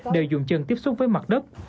đều dùng chân tiếp xúc với mặt đất